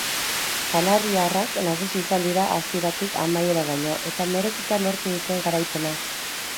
Kanariarrak nagusi izan dira hasieratik amaieraraino eta merezita lortu dute garaipena.